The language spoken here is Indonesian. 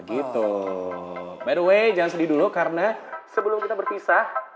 by the way jangan sedih dulu karena sebelum kita berpisah